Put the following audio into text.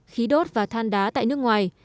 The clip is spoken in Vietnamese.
khí đốt và than đá tại nước ngoài